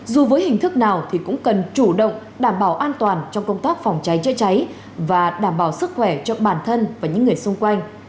dù với hình thức nào thì cũng cần chủ động đảm bảo an toàn trong công tác phòng cháy chữa cháy và đảm bảo sức khỏe cho bản thân và những người xung quanh